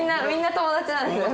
友達なんですね。